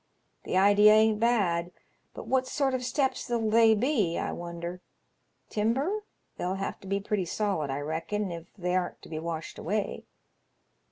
The idea ain't bad; but what sort of steps '11 they be, I wonder? Timber ? They'll have to be pretty solid, I reckon, if they arn't to be washed away.